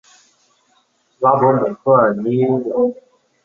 拉博姆科尔尼朗。